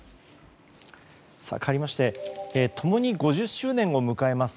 かわりまして共に５０周年を迎えます